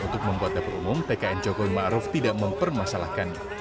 untuk membuat dapur umum tkn jokowi ma'ruf tidak mempermasalahkannya